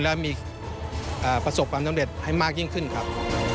และมีประสบความสำเร็จให้มากยิ่งขึ้นครับ